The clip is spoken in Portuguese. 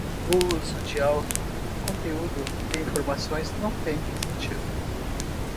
O uso de alto conteúdo de informação não tem sentido.